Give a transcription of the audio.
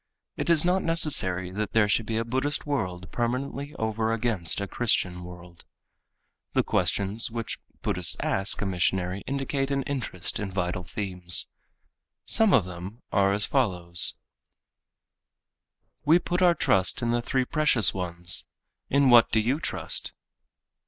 It is not necessary that there should be a Buddhist world permanently over against a Christian world. The questions which Buddhists ask a missionary indicate an interest in vital themes. Some of them are as follows: We put our trust in the three Precious Ones. In what do you trust?